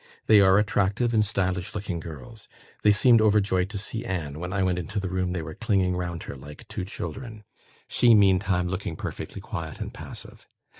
They are attractive and stylish looking girls. They seemed overjoyed to see Anne: when I went into the room, they were clinging round her like two children she, meantime, looking perfectly quiet and passive.